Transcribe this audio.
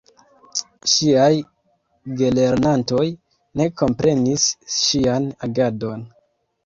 Ŝiaj gelernantoj ne komprenis ŝian agadon.